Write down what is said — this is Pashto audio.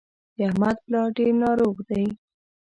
د احمد پلار ډېر ناروغ دی